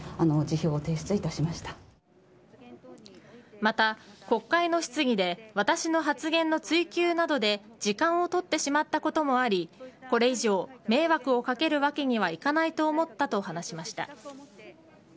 また、国会の質疑で私の発言の追及などで時間を取ってしまったこともありこれ以上、迷惑をかけるわけにはいかないと思ったと話しました。